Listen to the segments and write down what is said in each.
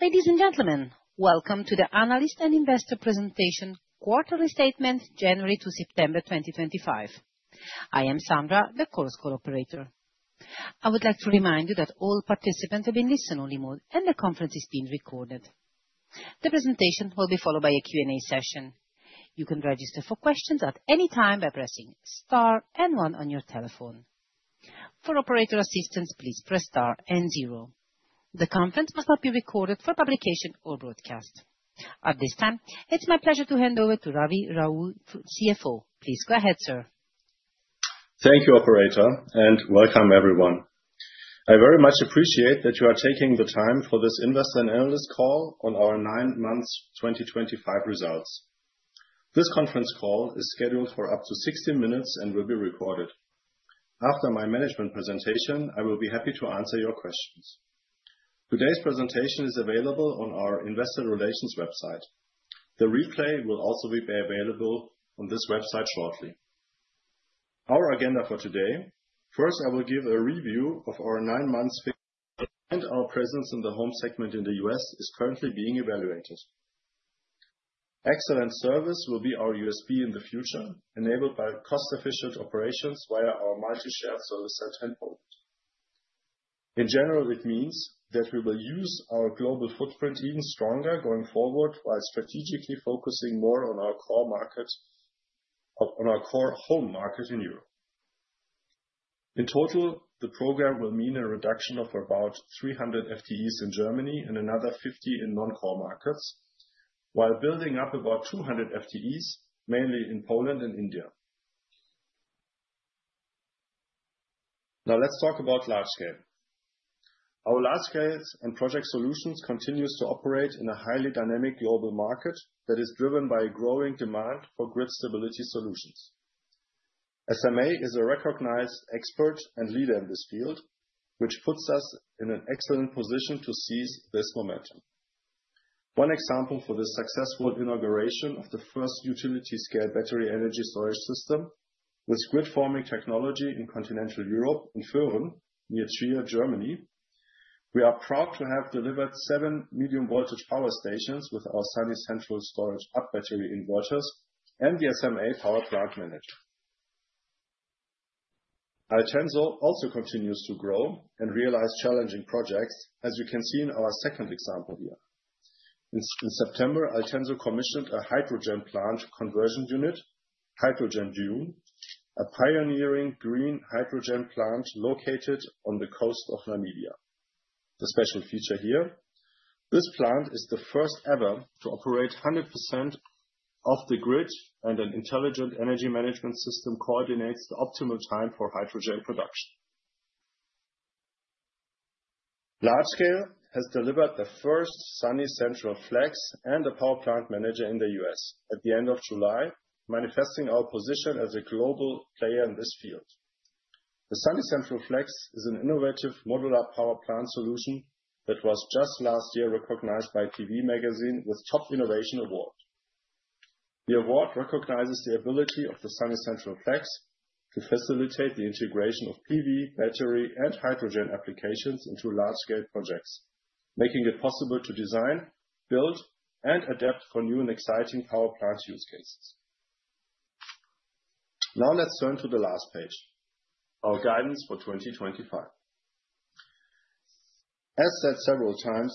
Ladies and gentlemen, welcome to the Analyst and Investor Presentation Quarterly Statement January to September 2025. I am Sandra, the Chorus Call operator. I would like to remind you that all participants are in listen-only mode and the conference is being recorded. The presentation will be followed by a Q and A session. You can register for questions at any time by pressing N1 on your telephone. For operator assistance, please press star and zero. The conference must not be recorded for publication or broadcast at this time. It is my pleasure to hand over to Ravi Rao, CFO. Please go ahead, sir. Thank you operator and welcome everyone. I very much appreciate that you are taking the time for this investor and analyst call on our 9 months 2025 results. This conference call is scheduled for up to 60 minutes and will be recorded. After my management presentation, I will be happy to answer your questions. Today's presentation is available on our investor relations website. The replay will also be available on this website shortly. Our agenda for today: first, I will give a review of our 9 months, and our presence in the home segment in the U.S. is currently being evaluated. Excellent service will be our USP in the future and enabled by cost-efficient operations via our multi-share solar cell 10 point. In general it means that we will use our global footprint even stronger going forward while strategically focusing more on our core market, on our core home market in Europe. In total, the program will mean a reduction of about 300 FTEs in Germany and another 50 in non-core markets while building up about 200 FTEs mainly in Poland and India. Now let's talk about large scale. Our Large Scale & Project Solutions continues to operate in a highly dynamic global market that is driven by a growing demand for grid stability solutions. SMA is a recognized expert and leader in this field, which puts us in an excellent position to seize this momentum. One example for the successful inauguration of the first utility scale battery energy storage system with grid forming technology in continental Europe in Fürth near Kassel, Germany. We are proud to have delivered seven medium voltage power stations with our Sunny Central Storage UP battery inverters and the SMA Power Plant Manager. Altenso also continues to grow and realize challenging projects. As you can see in our second example here, in September Altenso commissioned a hydrogen plant conversion unit, Hydrogen Dune, a pioneering green hydrogen plant located on the coast of Namibia. The special feature here, this plant is the first ever to operate 100% off the grid and an intelligent energy management system coordinates the optimal time for hydrogen production. Scale has delivered the first Sunny Central Flex and a Power Plant Manager in the U.S. at the end of July, manifesting our position as a global player in this field. The Sunny Central Flex is an innovative modular power plant solution that was just last year recognized by TV Magazine with Top Innovation Award. The award recognizes the ability of the Sunny Central Flex to facilitate the integration of PV, battery, and hydrogen applications into large scale projects, making it possible to design, build, and adapt for new and exciting power plant use cases. Now let's turn to the last page. Our guidance for 2025, as said several times,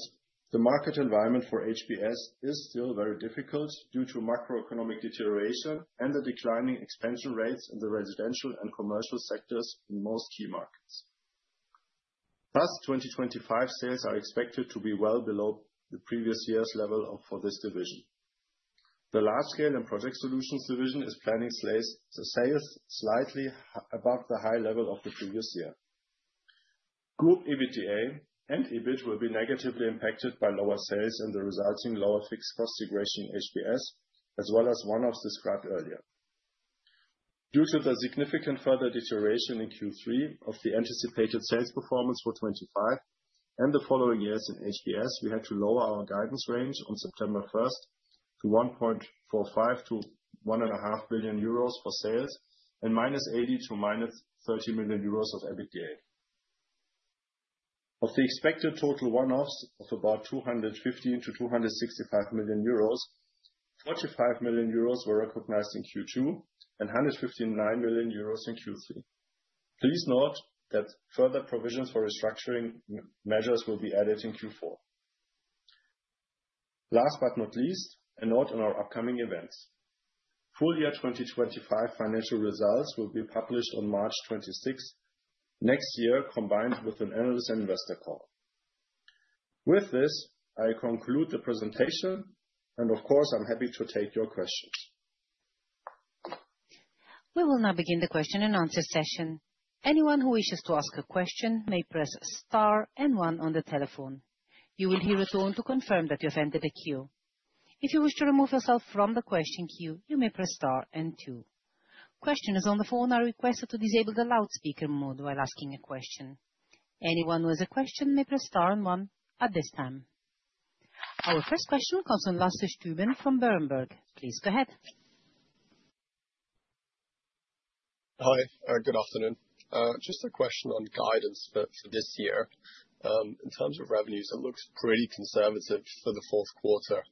the market environment for HBS is still very difficult due to macroeconomic deterioration and the declining expansion rates in the residential and commercial sectors in most key markets. Thus, 2025 sales are expected to be well below the previous year's level. For this division, the Large Scale & Project Solutions division is planning sales slightly above the high level of the previous year group. EBITDA and EBIT will be negatively impacted by lower sales and the resulting lower fixed cost segregation. HBS as well as one-off described earlier. Due to the significant further deterioration in Q3 of the anticipated sales performance for 2025 and the following years in HBS, we had to lower our guidance range on September 1 to 1.45 billion-1.5 billion euros for sales and minus 80 million to minus 30 million euros of EBITDA. Of the expected total one-offs of about 215 million-265 million euros, 45 million euros were recognized in Q2 and 159 million euros in Q3. Please note that further provisions for restructuring measures will be added in Q4. Last but not least, a note on our upcoming events. Full year 2025 financial results will be published on March 26th next year combined with an analyst and investor call. With this I conclude the presentation and of course I'm happy to take your questions. We will now begin the question and answer session. Anyone who wishes to ask a question may press star and one on the telephone. You will hear a tone to confirm that you have entered the queue. If you wish to remove yourself from the question queue, you may press star and two. Questioners on the phone are requested to disable the loudspeaker mode while asking a question. Anyone who has a question may press star and one at this time. Our first question comes from Lasse Stueben from Berenberg. Please go ahead. Hi, good afternoon. Just a question on guidance for this year in terms of revenues, it looks pretty conservative for the fourth quarter,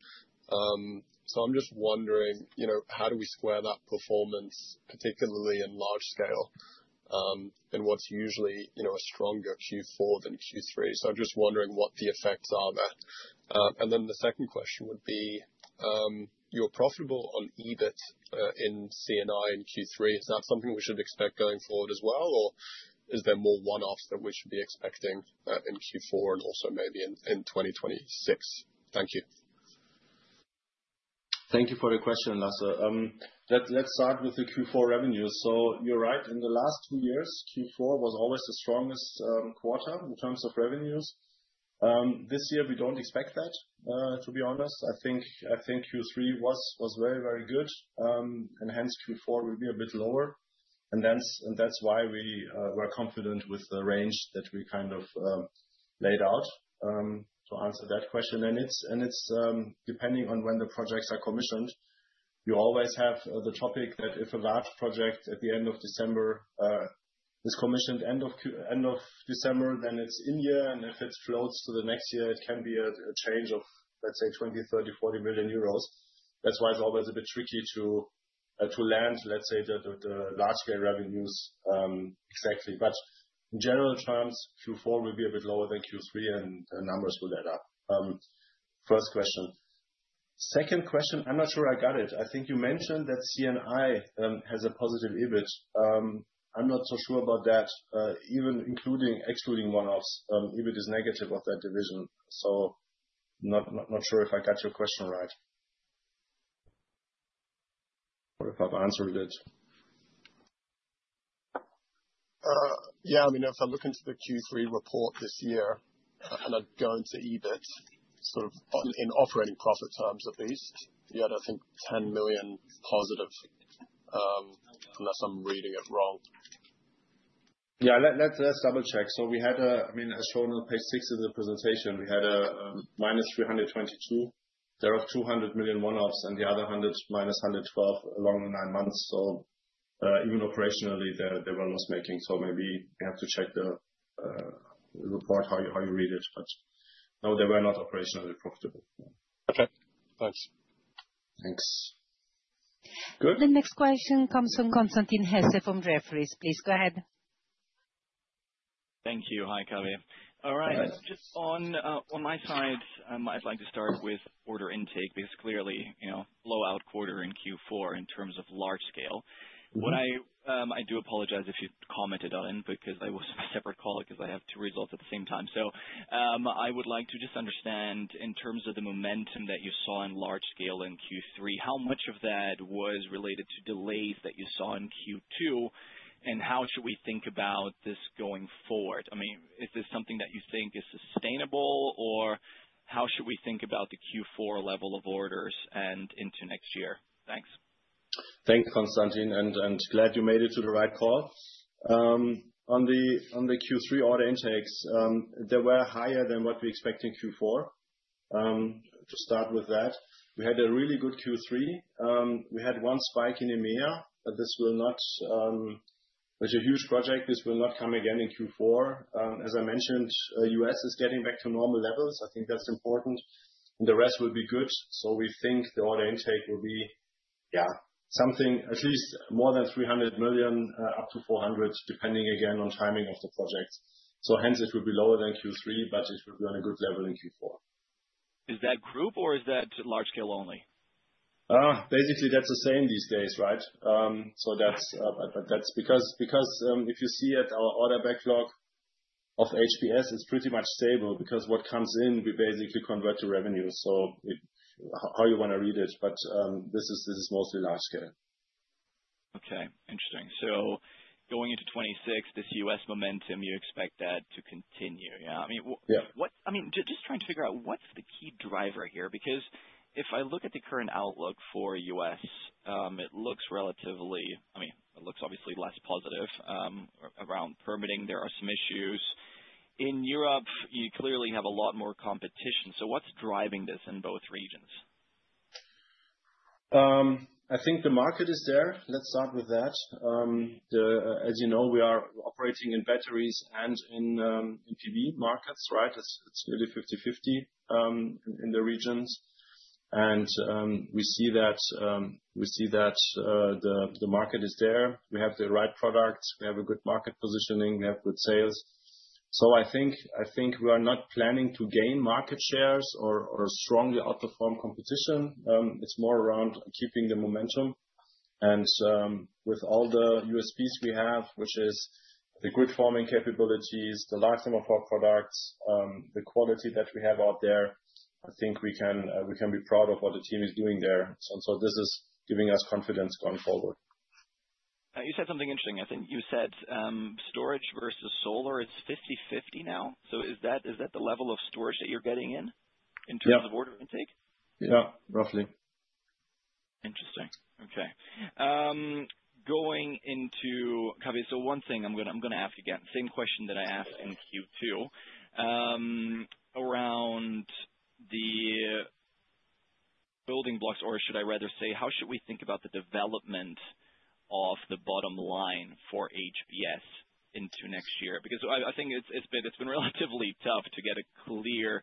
so I'm just wondering how do we square that performance, particularly in large scale and what's usually a stronger Q4 than Q3. I'm just wondering what the effects are there. The second question would be, you're profitable on EBIT in C And I in Q3, is that something we should expect going forward as well? Or is there more one-offs that we should be expecting in Q4 and also maybe in 2026? Thank you. Thank you for the question, Lasse. Let's start with the Q4 revenues. You're right. In the last 2 years Q4 was always the strongest quarter in terms of revenues. This year we don't expect that, to be honest, I think Q3 was very, very good. Q4 will be a bit lower. That is why we were confident with the range that we kind of laid out to answer that question. It is depending on when the projects are commissioned. You always have the topic that if a large project at the end of December is commissioned end of December, then it is in year and if it floats to the next year, it can be a change of, let us say, 20 million, 30 million, 40 million euros. That is why it is always a bit tricky to land, let us say, the large scale revenues exactly. In general terms, Q4 will be a bit lower than Q3 and numbers will add up. First question. Second question, I am not sure I got it. I think you mentioned that C&I has a positive EBIT. I am not so sure about that. Even including excluding one-offs, EBIT is negative of that division. So not sure if I got your question right or if I've answered it. Yeah, I mean if I look into the Q3 report this year and I go into EBIT, sort of in operating profit terms, at least you had I think 10 million positive. Unless I'm reading it wrong. Yeah, let's double check. So we had, I mean as shown on page six of the presentation, we had a -322 million. There are 200 million one-offs and the other 100 million, -112 million along the 9 months. So even operationally they were loss making. So maybe we have to check the report how you read it. But no, they were not operationally profitable. Okay, thanks. Thanks. Good. The next question comes from Konstantin Hesse from Jefferies. Please go ahead. Thank you. Hi, Kaveh. All right, just on my side, I'd like to start with order intake because clearly blowout quarter in Q4 in terms of large scale. I do apologize if you commented on, because I was on my separate call because I have two results at the same time. I would like to just understand in terms of the momentum that you saw in large scale in Q3, how much of that was related to delays that you saw in Q2? How should we think about this going forward? I mean, is this something that you think is sustainable or how should we think about the Q4 level of orders and into next year? Thanks. Thanks, Konstantin, and glad you made it to the right call. On the Q3 order intakes, they were higher than what we expect in Q4. To start with that, we had a really good Q3. We had one spike in EMEA. This will not—it's a huge project. This will not come again in Q4. As I mentioned, US is getting back to normal levels. I think that's important, and the rest will be good. We think the order intake will be something at least more than 300 million, up to 400 million, depending again on timing of the project. Hence, it will be lower than Q3, but it will be on a good level in Q4. Is that group or is that large scale only? Basically that's the same these days. Right. That's because if you see at our order backlog of HBS, it's pretty much stable because what comes in we basically convert to revenue. How you want to read it. This is mostly large scale. Okay, interesting. Going into 2026, this U.S. momentum, you expect that to continue? Yeah, I mean, what's—I mean, just trying to figure out what's the key driver here. Because if I look at the current outlook for us, it looks relatively—I mean, it looks obviously less positive around permitting. There are some issues in Europe, you clearly have a lot more competition. What's driving this in both regions? I think the market is there. Let's start with that. As you know we are operating in batteries and in PV markets. Right? It's really 50-50 in the regions and we see that the market is there. We have the right products, we have a good market positioning, we have good sales. I think we are not planning to gain market shares or strongly outperform competition. It's more around keeping the momentum. With all the USPs we have, which is the grid forming capabilities, the lifetime of our products, the quality that we have out there, I think we can be proud of what the team is doing there. This is giving us confidence going forward. You said something interesting. I think you said storage versus solar is 50-50 now. Is that the level of storage that you're getting in in terms of order intake? Yeah, roughly. Interesting. Okay. Going into Kaveh. So one thing I'm going to ask again, same question that I asked in Q2 around the building blocks or should I rather say how should we think about the development of the bottom line for HBS into next year? Because I think it's been relatively tough to get a clear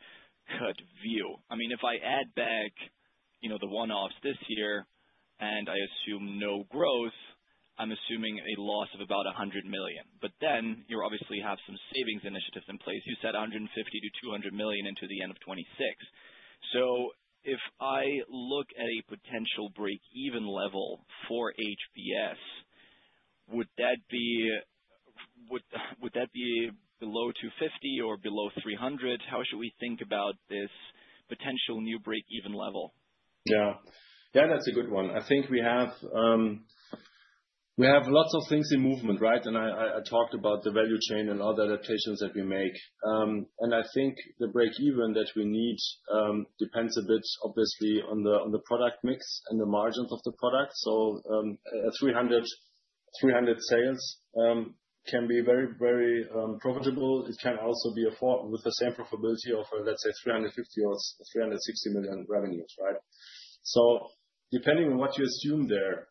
cut view. I mean if I add back the one-offs this year and I assume no growth, I'm assuming a loss of about 100 million. But then you obviously have some savings initiatives in place. You said 150 million-200 million into the end of 2026. If I look at a potential breakeven level for HBS, would that be below 250 million or below 300 million? How should we think about this potential new breakeven level? Yeah, yeah, that's a good one. I think we have lots of things in movement. Right. I talked about the value chain and other adaptations that we make. I think the breakeven that we need depends a bit obviously on the product mix and the margins of the product. 300 million sales can be very, very profitable. It can also be afforded with the same profitability of, let's say, 350 million or 360 million revenues. Right. Depending on what you assume there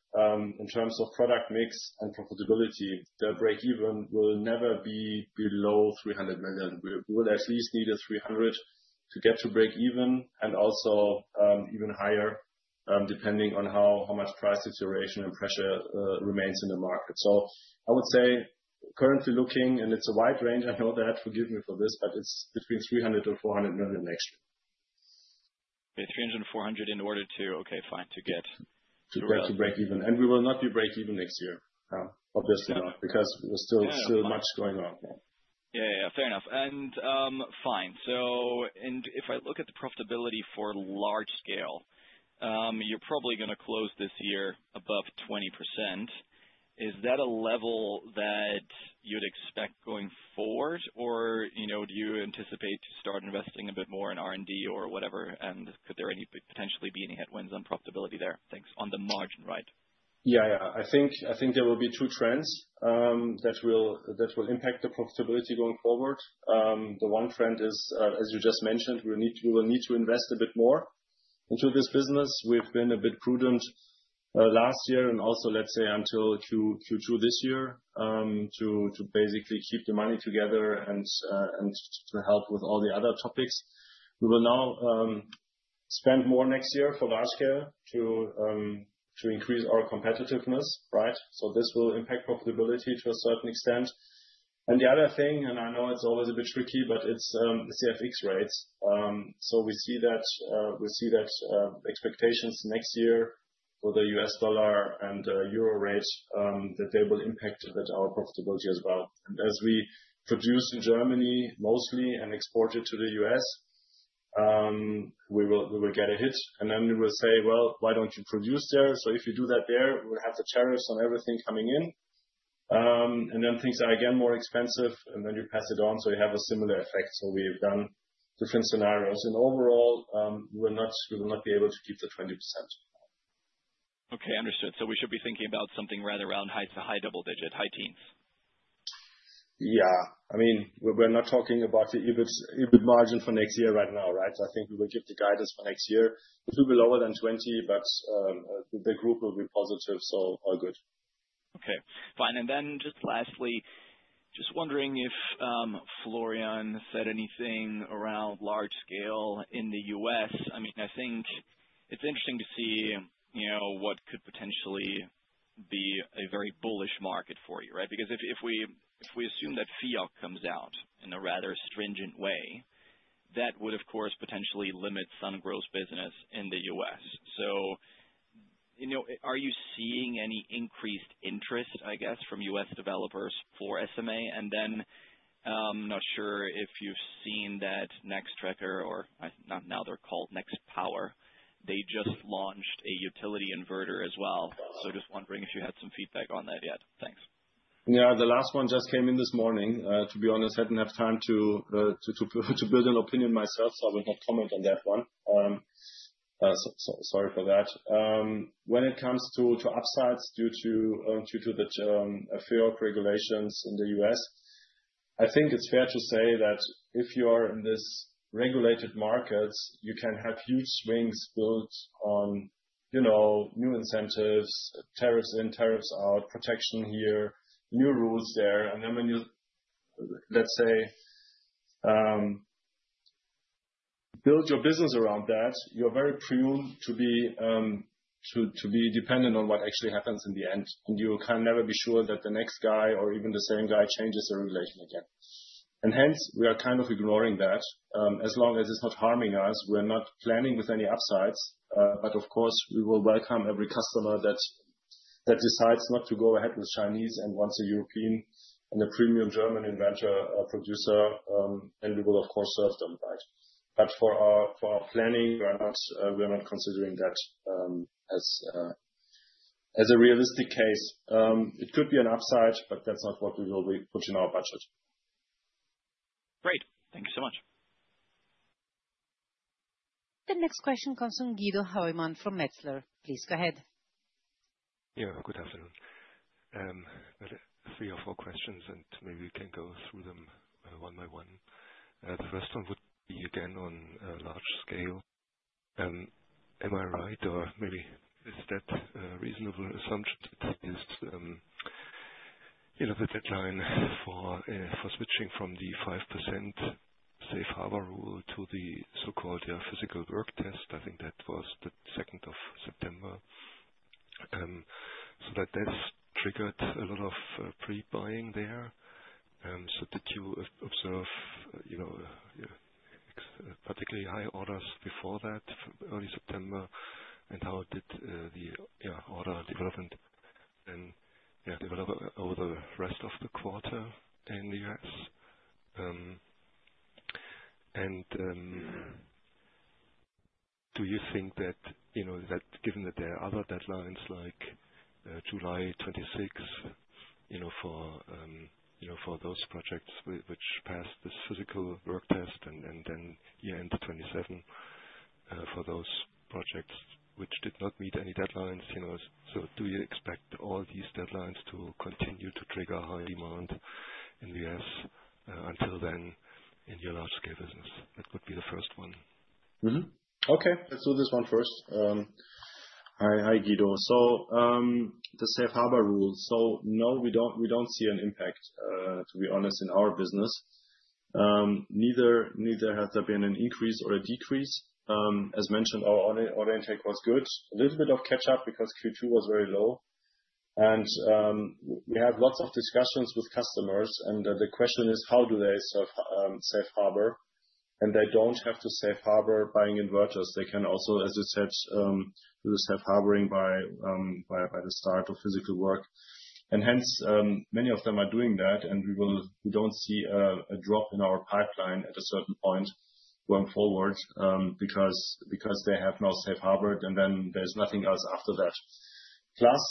in terms of product mix and profitability, the breakeven will never be below 300 million. We will at least need 300 million to get to breakeven and also even higher depending on how much price deterioration and pressure remains in the market. I would say currently looking, and it's a wide range, I know that, forgive me for this, but it's between 300 million-400 million next year. Okay, 300-400 in order to. Okay, fine. To get to breakeven. We will not be breakeven next year. Obviously not. Because there's still much going on. Yeah, fair enough. Fine. If I look at the profitability for large scale, you're probably going to close this year above 20%. Is that a level that you'd expect going forward or do you anticipate to start investing a bit more in R&D or whatever? Could there potentially be any headwinds on profitability there on the margin? Right, yeah. I think there will be two trends that will impact the profitability going forward. The one trend is, as you just mentioned, we will need to invest a bit more into this business. We've been a bit prudent last year and also let's say until Q2 this year to basically keep the money together and to help with all the other topics, we will now spend more next year for large scale to increase our competitiveness. Right. This will impact profitability to a certain extent. The other thing, and I know it's always a bit tricky, but it's FX rates, so we see that expectations next year for the U.S. Dollar and Euro rate that they will impact our profitability as well. As we produce in Germany mostly and export to the U.S. We will get a hit and then we will say, well why do not you produce there? If you do that there, we will have the tariffs on everything coming in and then things are again more expensive and then you pass it on so you have a similar effect. We have done different scenarios and overall we will not be able to keep the 20%. Okay, understood. So we should be thinking about something rather around high to high double digit high teens. Yeah, I mean we're not talking about the EBIT margin for next year right now. Right? I think we will give the guidance for next year. It will be lower than 20% but the group will be positive. All good. Okay, fine. Then just lastly, just wondering if Florian said anything around large scale in the US. I mean, I think it's interesting to see, you know, what could potentially be a very bullish market for you. Right. Because if we assume that FIAT comes out in a rather stringent way, that would of course potentially limit Sungrow's business in the US. Are you seeing any increased interest, I guess, from U.S. developers for SMA? Then not sure if you've seen that Nextpower, they just launched a utility inverter as well. Just wondering if you had some feedback on that yet. Thanks. Yes, the last one just came in this morning. To be honest, I did not have time to build an opinion myself so I will not comment on that one. Sorry for that. When it comes to upsides due to the FIORC regulations in the U.S., I think it is fair to say that if you are in this regulated market you can have huge swings built on new incentives, tariffs in, tariffs out, protection here, new rules there. When you, let's say, build your business around that, you are very prone to be dependent on what actually happens in the end. You can never be sure that the next guy or even the same guy changes the relation again. Hence, we are kind of ignoring that. As long as it is not harming us, we are not planning with any upsides. Of course we will welcome every customer that decides not to go ahead with Chinese and wants a European and a premium German inverter producer and we will of course serve them right. For our planning we are not considering that as a realistic case. It could be an upside, but that's not what we will put in our budget. Great, thank you so much. The next question comes from Guido Hoymann from Metzler. Please go ahead. Yeah, good afternoon. Three or four questions and maybe we can go through them one by one. The first one would be again on a large scale, am I right? Or maybe is that a reasonable assumption to take this. You know the deadline for switching from the 5% Safe Harbor Rule to the so-called Physical Work Test. I think that was the 2nd of September. That triggered a lot of pre-buying there. Did you observe, you know, particularly high orders before that early September and how did the order development. Over the rest of the quarter in the U.S., and do you think that given that there are other deadlines like July 26 for those projects which passed this physical work test, and then year end 2027 for those projects which did not meet any deadlines, do you expect all these deadlines to continue to trigger high demand in the U.S. until then in your large scale business? That would be the first one. Okay, let's do this one first. Hi Guido. The safe harbor rule. No, we don't see an impact to be honest, in our business neither has there been an increase or a decrease. As mentioned, our order intake was good, a little bit of catch up because Q2 was very low and we have lots of discussions with customers and the question is how do they safe harbor and they don't have to safe harbor buying inverters. They can also as you said safe harboring by the start of physical work and hence many of them are doing that and we don't see a drop in our pipeline at a certain point going forward because they have no safe harbor and then there's nothing else after that. Plus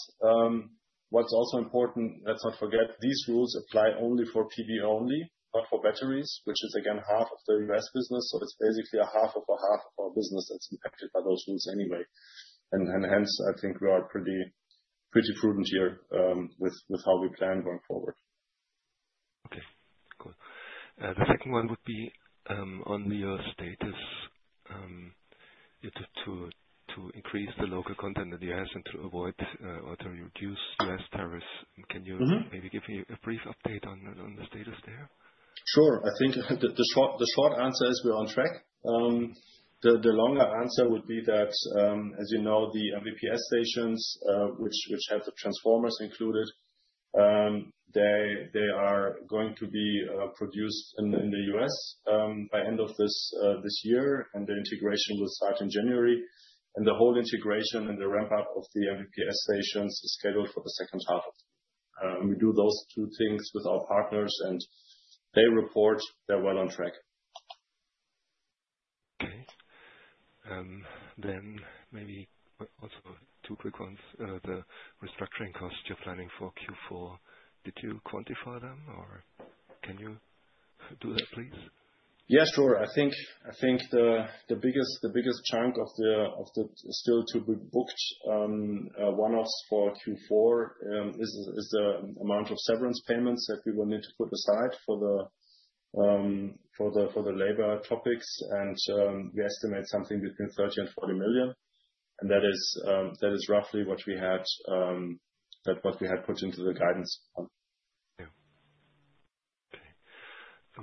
what's also important, let's not forget these rules apply only for PV only, not for batteries, which is again half of the U.S. business. It's basically a half of a half of our business that's impacted by those rules anyway. Hence I think we are pretty prudent here with how we plan going forward. Okay, cool. The second one would be on your status to increase the local content in the U.S. and to avoid or to reduce less tariffs. Can you maybe give me a brief update on the status there? Sure. I think the short answer is we're on track. The longer answer would be that as you know, the MVPS stations which have the transformers included, they are going to be produced in the U.S. by end of this year and the integration will start in January. The whole integration and the ramp up of the MVPS stations is scheduled for the second half of the year. We do those two things with our partners and they report they're well on track. Maybe also two quick ones. The restructuring cost you're planning for Q4, did you quantify them or can you do that please? Yeah, sure. I think the biggest chunk of the still to be booked one-offs for Q4 is the amount of severance payments that we will need to put aside for the labor topics. We estimate something between 30 million-40 million. That is roughly what we had put into the guidance.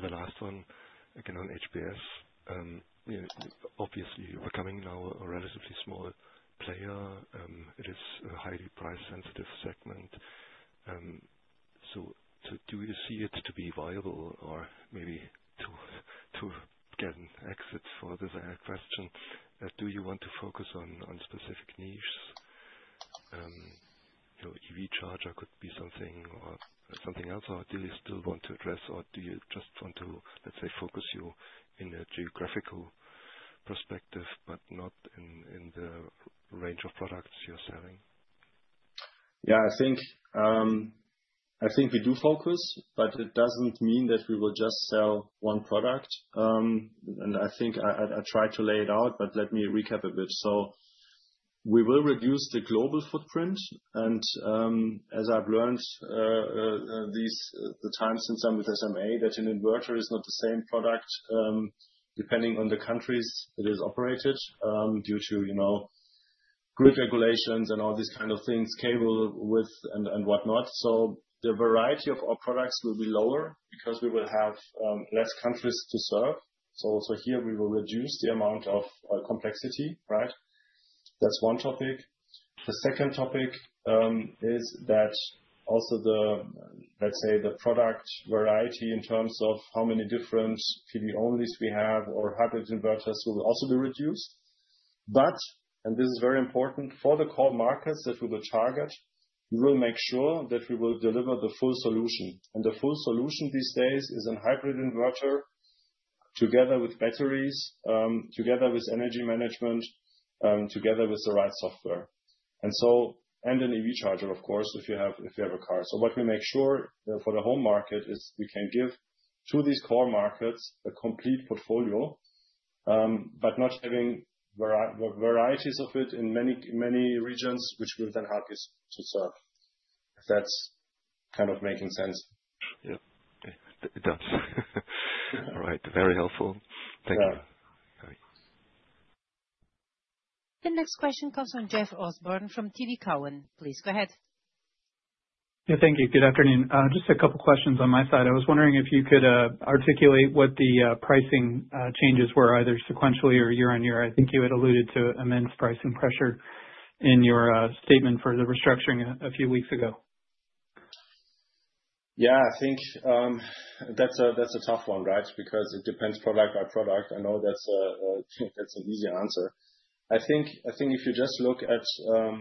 The last one again on HBS, obviously you're becoming now a relatively small player. It is a highly price sensitive segment. Do you see it to be viable or maybe to get an exit for this question? Do you want to focus on specific niches? EV charger could be something or something else. Or do you still want to address or do you just want to, let's say, focus you in a geographical perspective but not in the range of products you're selling? Yeah, I think we do focus but it doesn't mean that we will just sell one product. I think I tried to lay it out but let me recap a bit. We will reduce the global footprint and as I've learned the time since I'm with SMA that an inverter is not the same product depending on the countries it is operated due to, you know, grid regulations and all these kind of things, cable width and whatnot. The variety of our products will be lower because we will have fewer countries to serve. Here we will reduce the amount of complexity. Right? That's one topic. The second topic is that also, let's say, the product variety in terms of how many different PV only we have or hybrid inverters will also be reduced. But, and this is very important for the core markets that we will target, we will make sure that we will deliver the full solution. The full solution these days is a hybrid inverter together with batteries, together with energy management, together with the right software, and an EV charger, of course, if you have a car. What we make sure for the home market is we can give to these core markets a complete portfolio but not having varieties of it in many regions, which will then hardly serve, if that's kind of making sense. Yeah, it does. All right, very helpful, thank you. The next question comes from Jeff Osborne from TD Cowen. Please go ahead. Just a couple of questions on my side. I was wondering if you could articulate what the pricing changes were either sequentially or year on year. I think you had alluded to immense pricing pressure in your statement for the restructuring a few weeks ago. Yeah, I think that's a tough one. Right. Because it depends product by product. I know that's an easy answer. I think if you just look at,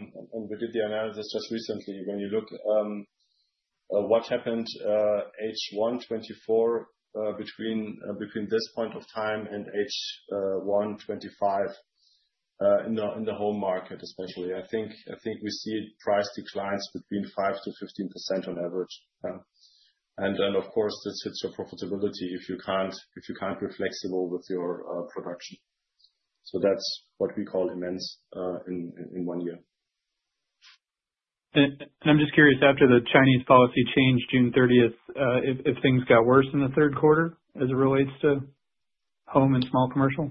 and we did the analysis just recently, when you look what happened H1 2024 between this point of time and H1 2025 in the home market especially, I think we see price declines between 5%-15% on average. Of course, this hits your profitability if you can't be flexible with your production. That's what we call immense in one year. I'm just curious after the Chinese policy change June 30th, if things got worse in the third quarter as it relates to home and small commercial?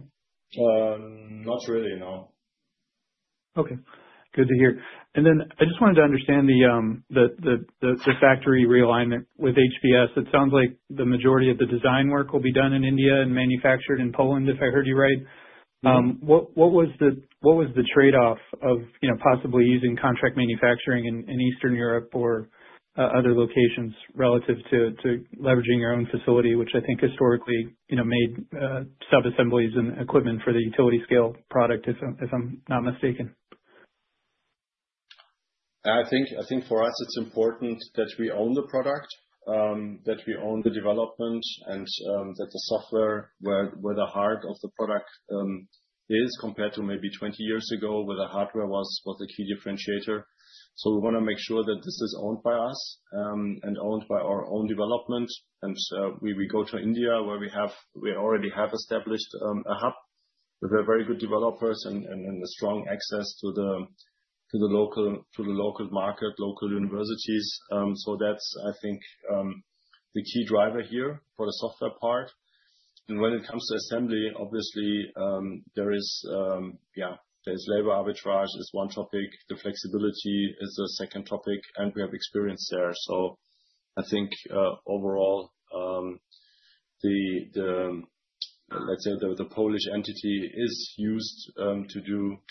Not really, no. Okay, good to hear. I just wanted to understand the factory realignment with HBS. It sounds like the majority of the design work will be done in India and manufactured in Poland, if I heard you right. What was the trade off of possibly using contract manufacturing in Eastern Europe or other locations relative to leveraging your own facility, which I think historically made subassemblies and equipment for the utility scale product, if I'm not mistaken. I think for us it's important that we own the product, that we own the development and that the software, where the heart of the product is compared to maybe 20 years ago where the hardware was a key differentiator. We want to make sure that this is owned by us and owned. By our own development. We go to India where we already have established a hub with very good developers and strong access to the local market, local universities. I think the key driver here is the software part. When it comes to assembly, obviously there is labor arbitrage as one topic. Flexibility is the second topic and we have experience there. I think overall the Polish entity is used to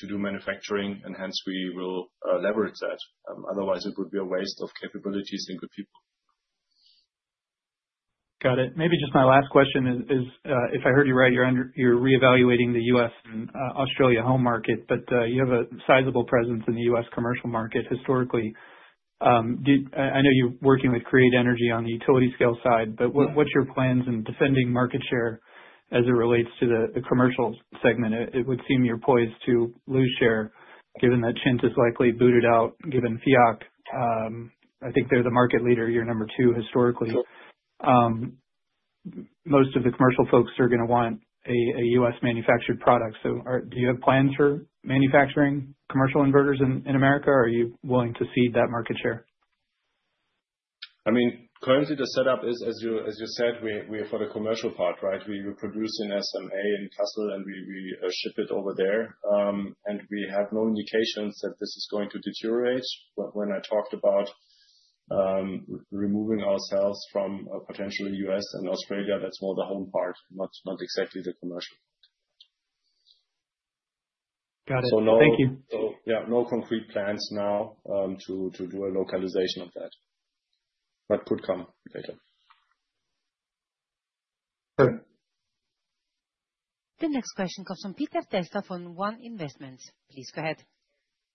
do manufacturing and hence we will leverage that. Otherwise it would be a waste of capabilities and good people. Got it. Maybe just my last question is, if I heard you right, you're reevaluating the U.S. and Australia home market, but you have a sizable presence in the US commercial market. Historically. I know you're working with Create Energy on the utility scale side, but what's your plans in defending market share as it relates to the commercial segment? It would seem you're poised to lose share given that CHINT is likely booted out. Given FIARC, I think they're the market leader. Year number two. Historically, most of the commercial folks are going to want a U.S.-manufactured product. So do you have plans for manufacturing commercial inverters in America or are you willing to cede that market share? I mean, currently the setup is as you said, we have for the commercial part right. We produce in SMA in Kassel and we ship it over there. We have no indications that this is going to deteriorate rate. When I talked about removing ourselves from a potential U.S. and Australia, that's more the home part, not exactly the commercial part. Got it, thank you. Yeah, no concrete plans now to do a localization of that, but could come later. The next question comes from Peter Testa for One Investments, please go ahead.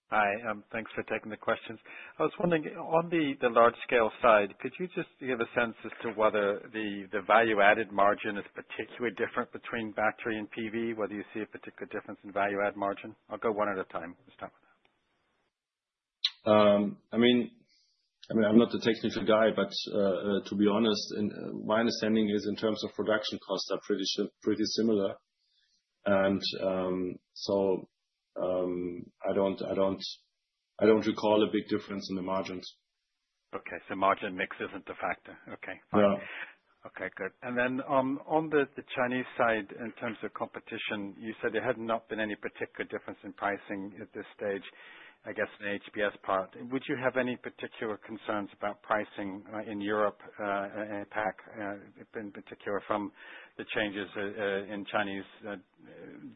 Hi, thanks for taking the questions. I was wondering on the large scale side, could you just give a sense as to whether the value added margin is particularly different between battery and PV? Whether you see a particular difference in value add margin? I'll go one at a time, start with that. I'm not the technical guy, but to be honest, my understanding is in terms of production costs are pretty sure pretty similar. I don't recall a big difference in the margins. Okay, so margin mix isn't a factor. Okay. Okay, good. On the Chinese side, in terms of competition, you said there had not been any particular difference in pricing at this stage. I guess in HBS part, would you have any particular concerns about pricing in Europe. In particular from the changes in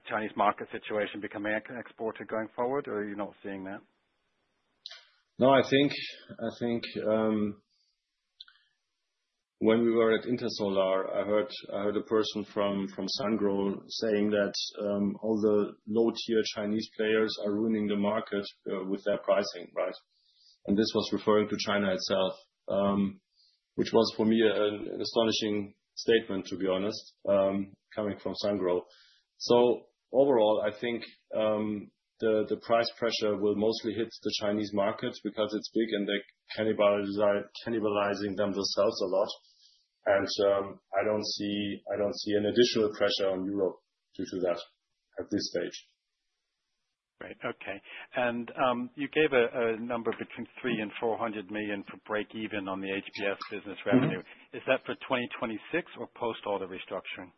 Chinese market situation, becoming exported going forward, or are you not seeing that? No, I think when we were at Intersolar, I heard a person from Sungrow saying that all the low-tier Chinese players are ruining the market with their pricing. Right. And this was referring to China itself, which was for me an astonishing statement, to be honest, coming from Sungrow. Overall, I think the price pressure will mostly hit the Chinese markets because it's big and they are cannibalizing themselves a lot. I don't see an additional pressure on Europe due to that at this stage. Great. Okay. You gave a number between 300 million-400 million for breakeven on the HBS business revenue. Is that for 2026 or post auto restructuring?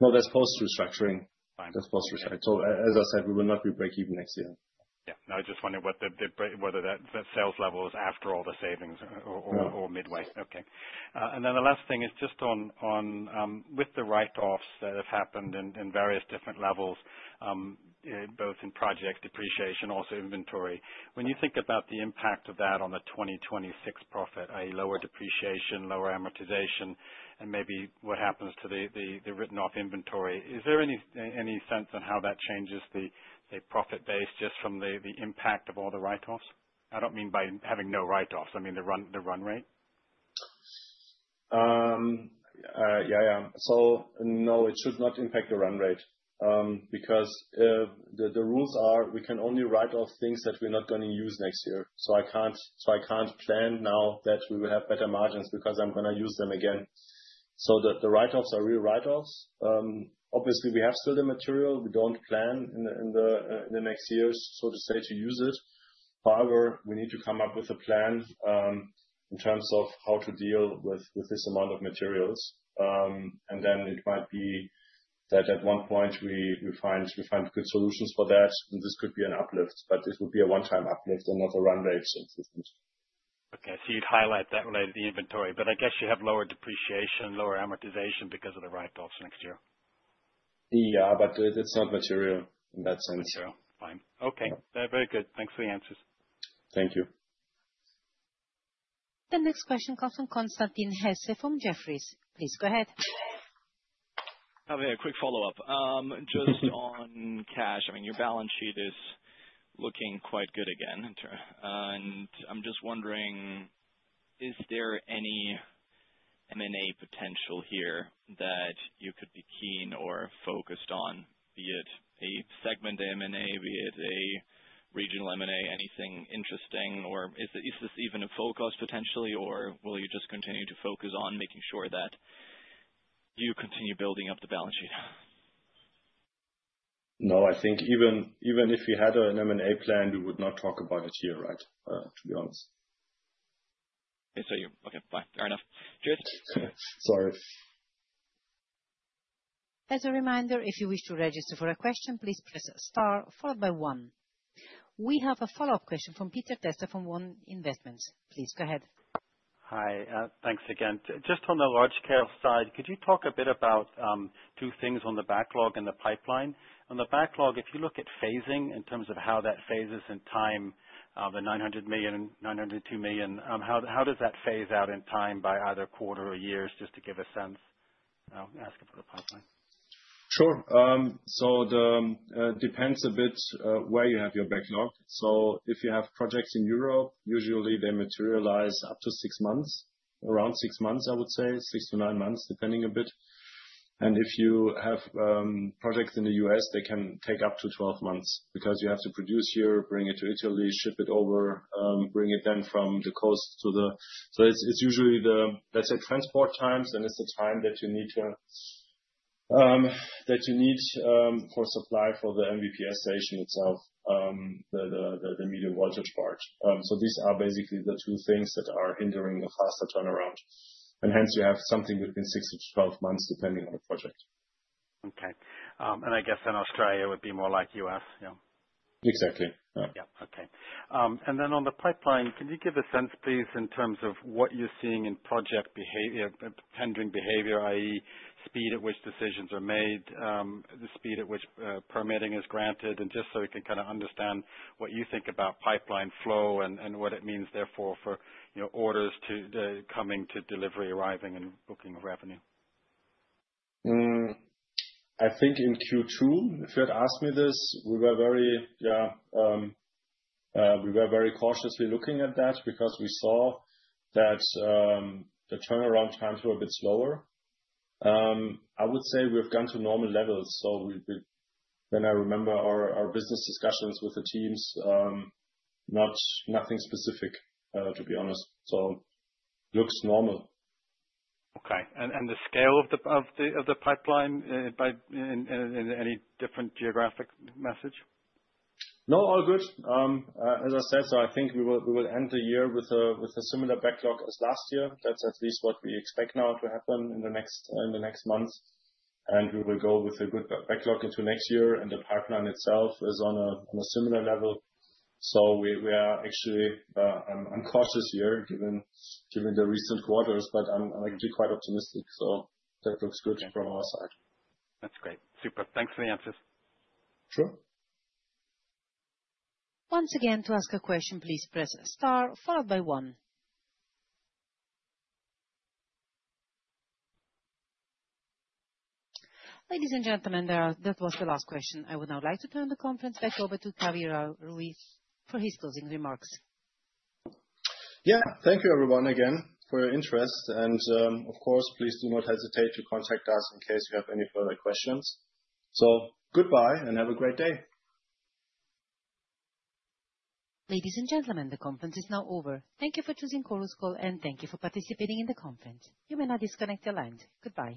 No, that's post restructuring. That's post restructuring. As I said, we will not be breakeven next year. Yeah. I just wonder whether that sales level is after all the savings or midway. Okay. The last thing is just with the write offs that have happened in various different levels, both in project depreciation, also inventory, when you think about the impact of that on the 2026 profit, that is lower depreciation, lower amortization and maybe what happens to the written off inventory, is there any sense on how that changes the profit base just from the impact of all the write offs? I do not mean by having no write offs, I mean the run rate. Yeah. No, it should not impact the run rate because the rules are we can only write off things that we're not going to use next year. I can't plan now that we will have better margins because I'm going to use them again. The write offs are real write offs. Obviously, we have still the material we don't plan in the next years, so to say to use it. However, we need to come up with a plan in terms of how to deal with this amount of materials. It might be that at one point we find good solutions for that. This could be an uplift, but this would be a one time uplift and not a run rate. Okay, so you'd highlight that related to inventory, but I guess you have lower depreciation, lower amortization because of the write-offs next year. Yeah, but it's not material in that sense. Okay, very good. Thanks for the answers. Thank you. The next question comes from Constantin Hesse from Jefferies. Please go ahead. Javier, a quick follow up just on cash. I mean your balance sheet is looking quite good again and I'm just wondering, is there any M&A potential here that you could be keen or focused on, be it a segment M&A, be it a regional M&A. Anything interesting or is this even a focus potentially? Or will you just continue to focus on making sure that you continue building up the balance sheet? No, I think even if we had an M&A plan, we would not talk about it here. Right. To be honest. Okay, fine. Fair enough. Sorry. As a reminder, if you wish to register for a question, please press star followed by one. We have a follow up question from Peter Testa from One Investments. Please go ahead. Hi, thanks again. Just on the large scale side, could you talk a bit about two things on the backlog and the pipeline? On the backlog, if you look at phasing in terms of how that phases in time, the 900 million and 902 million, how does that phase out in time? By either quarter or years. Just to give a sense, asking for the pipeline. Sure. It depends a bit where you have your backlog. If you have projects in Europe, usually they materialize up to 6 months, around 6 months, I would say 6-9 months, depending a bit. If you have projects in the U.S., they can take up to 12 months because you have to produce here, bring it to Italy, ship it over, bring it then from the coast. It is usually the, let's say, transport times. Then it is the time that you need for supply for the MVPS station itself, the medium voltage part. These are basically the two things that are hindering the faster turnaround. Hence, you have something between 6-12 months, depending on the project. Okay. I guess in Australia it would be more like us. Yeah, exactly. Yeah. Okay. On the pipeline, can you give a sense, please, in terms of what you're seeing in project behavior, tendering behavior, that is, speed at which decisions are made, the speed at which permitting is granted. Just so you can kind of understand what you think about pipeline flow and what it means therefore for orders to coming to delivery, arriving and booking revenue. I think in Q2, if you had asked me this, we were very cautiously looking at that because we saw that the turnaround times were a bit slower. I would say we have gone to normal levels. I remember our business discussions with the teams. Nothing specific, to be honest. It looks normal. Okay. And the scale of the pipeline in any different geographic message? No, all good, as I said. I think we will end the year with a similar backlog as last year. That is at least what we expect now to happen in the next month. We will go with a good backlog into next year. The pipeline itself is on a similar level. We are actually uncautious here, given the recent quarters. I am actually quite optimistic. That looks good from our side. That's great. Super. Thanks for the answers. Sure. Once again, to ask a question, please press star followed by one. Ladies and gentlemen, that was the last question. I would now like to turn the conference back over to Kaveh Rouhi for his closing remarks. Yeah. Thank you everyone again for your interest and of course, please do not hesitate to contact us in case you have any further questions. Goodbye and have a great day. Ladies and gentlemen, the conference is now over. Thank you for choosing Chorus Call and thank you for participating in the conference. You may now disconnect your lines. Goodbye.